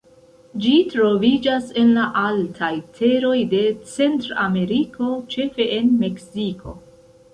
Ĝi troviĝas en la altaj teroj de Centrameriko, ĉefe en Meksiko.